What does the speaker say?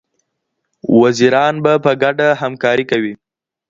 وزیران به په ګډه همکاري کوي.